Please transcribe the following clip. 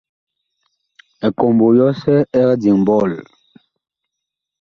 Ekombo yɔsɛ ɛg diŋ ɓɔɔl.